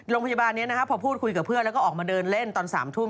โรงพยาบาลนี้นะครับพอพูดคุยกับเพื่อนแล้วก็ออกมาเดินเล่นตอน๓ทุ่ม